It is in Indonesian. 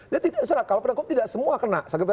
jadi kalau pendekuk tidak semua kena